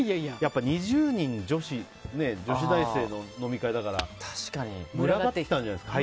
２０人女子って女子大生の飲み会だから群がってきたんじゃないですか。